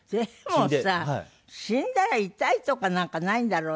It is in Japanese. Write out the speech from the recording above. でもさ死んだら痛いとかなんかないんだろうからさ。